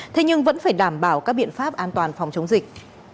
thế nhưng vẫn phải đảm bảo các biện pháp an toàn phòng chống dịch